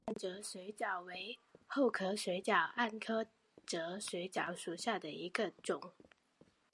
希罕暗哲水蚤为厚壳水蚤科暗哲水蚤属下的一个种。